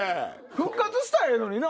復活したらええのにな。